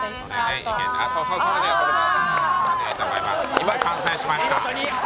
今、完成しました。